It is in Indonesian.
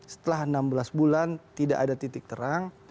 setelah enam belas bulan tidak ada titik terang